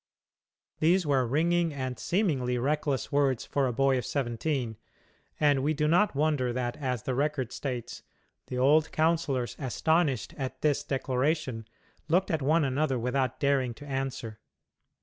These were ringing and, seemingly, reckless words for a boy of seventeen, and we do not wonder that, as the record states, "the old councillors, astonished at this declaration, looked at one another without daring to answer."